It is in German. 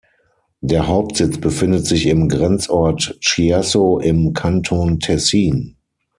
Der Hauptsitz befindet sich im Grenzort Chiasso im Kanton Tessin.